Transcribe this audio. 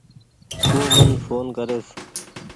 تو من ڦون ڪريس